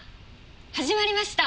始まりました！